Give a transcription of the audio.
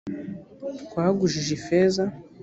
twagujije ifeza.